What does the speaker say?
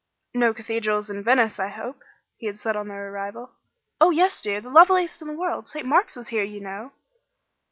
"No cathedrals in Venice, I hope?" he had said on their arrival. "Oh, yes, dear; the loveliest one in the world! St. Mark's is here, you know."